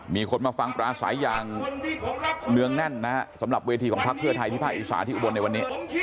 มีคนมาฟังปราศัยอย่างเนื่องแน่นนะฮะสำหรับเวทีของพักเพื่อไทยที่ภาคอีสานที่อุบลในวันนี้